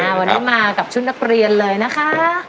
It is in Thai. วันนี้มากับชุดนักเรียนเลยนะคะ